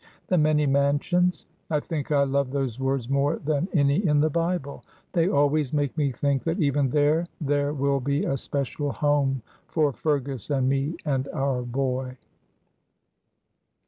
'The many mansions,' I think I love those words more than any in the Bible; they always make me think that even there there will be a special home for Fergus and me and our boy."